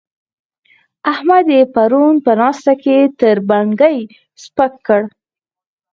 احمد يې پرون په ناسته کې تر بڼکې سپک کړ.